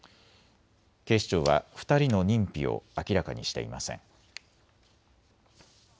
警視庁は２人の認否を明らかにしていません。